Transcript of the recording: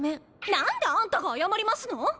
何であんたが謝りますの？